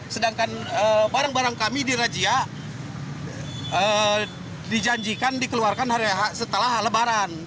sedangkan barang barang kami di rajia dijanjikan dikeluarkan setelah lebaran